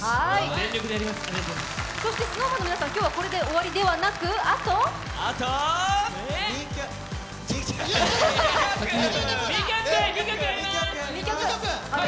そしてＳｎｏｗＭａｎの皆さん、今日はこれで終わりではなく２曲やりまーす！